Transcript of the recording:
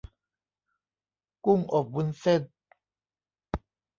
กุ้งอบวุ้นเส้น